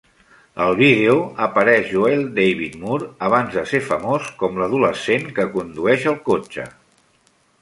Al vídeo apareix Joel David Moore abans de fer-se famós, com l'adolescent que condueix el cotxe.